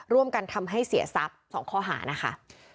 ร่วมกันทำให้เสียทรัพย์๒ข้อหานะคะ